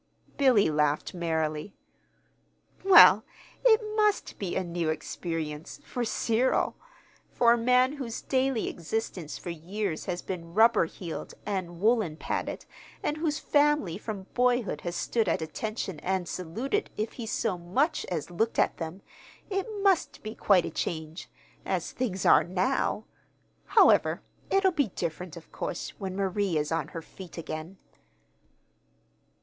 Billy laughed merrily. "Well, it must be a new experience for Cyril. For a man whose daily existence for years has been rubber heeled and woolen padded, and whose family from boyhood has stood at attention and saluted if he so much as looked at them, it must be quite a change, as things are now. However, it'll be different, of course, when Marie is on her feet again."